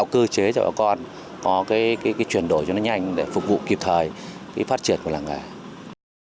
cơ chế cho bà con có cái chuyển đổi cho nó nhanh để phục vụ kịp thời cái phát triển của làng nghề